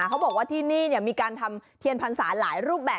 เขาบอกว่าที่นี่มีการทำเทียนพรรษาหลายรูปแบบ